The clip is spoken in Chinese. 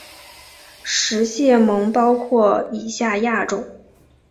食蟹獴包括以下亚种